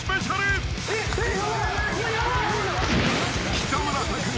［北村匠海。